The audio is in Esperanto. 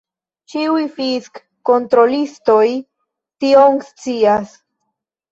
Ĉiuj fisk-kontrolistoj tion scias.